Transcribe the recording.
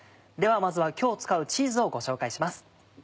ではまずは今日使うチーズをご紹介します。